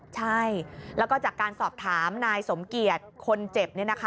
ใช่แล้วก็จากการสอบถามนายสมเกียรติคนเจ็บเนี่ยนะคะ